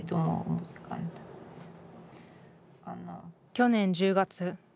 去年１０月。